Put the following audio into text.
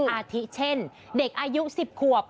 อาทิเช่นเด็กอายุ๑๐ขวบ